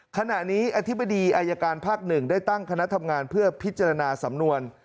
ขณะนี้อธิบดีอายการภาค๑ได้ตั้งคณะทำงานเพื่อพิจารณาสำนวน